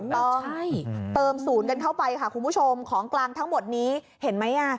เติมศูนย์กันเข้าไปค่ะคุณผู้ชมของกลางทั้งหมดนี้เห็นไหม